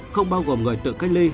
không bao gồm người tự cách ly